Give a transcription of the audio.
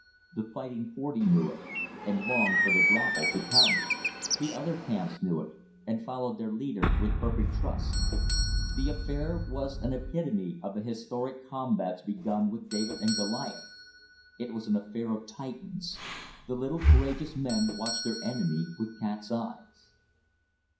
The Fighting Forty knew it, and longed for the grapple to come. The other camps knew it, and followed their leader with perfect trust. The affair was an epitome of the historic combats begun with David and Goliath. It was an affair of Titans. The little courageous men watched their enemy with cat's eyes.